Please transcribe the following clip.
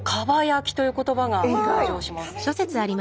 蒲焼きという言葉が登場します。